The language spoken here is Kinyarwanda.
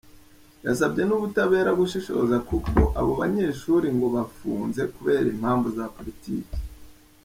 Yasabye n’ubutabera gushishoza kuko abo banyeshuri ngo bafunze kubera impamvu za politiki.